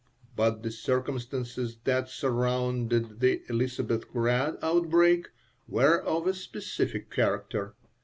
But the circumstances that surrounded the Elisabethgrad outbreak were of a specific character.